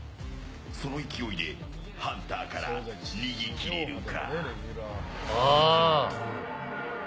その勢いでハンターから逃げきれるか？